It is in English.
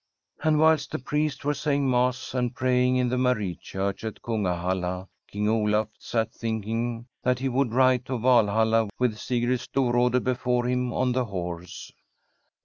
And whilst the priests were sajring Mass and praying in the Marie Church at Kungahalla, King Olaf sat thinking that he would ride to Valhalla with Sigrid Storrade before him on the horse.